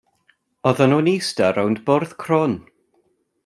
Oddan nhw'n ista rownd bwrdd crwn.